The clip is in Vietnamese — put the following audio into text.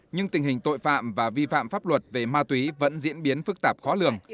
nhưng tình hình tội phạm và vi phạm pháp luật về ma túy vẫn diễn biến phức tạp khó lường